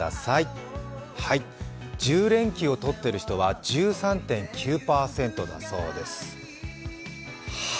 １０連休を取っている人は１３．９％だそうです。